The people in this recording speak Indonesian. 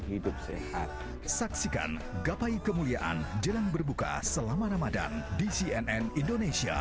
hidup sehat saksikan gapai kemuliaan jelang berbuka selama ramadan di cnn indonesia